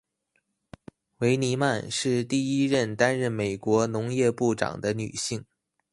维尼曼是第一位担任美国农业部长的女性。